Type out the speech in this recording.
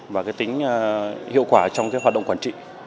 và cái tính hiệu quả trong các hoạt động quản lý